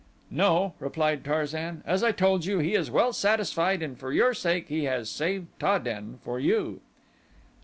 "No," replied Tarzan; "as I told you he is well satisfied and for your sake he has saved Ta den for you."